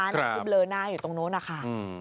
ในคลิปเลอหน้าอยู่ตรงโน้นนะคะ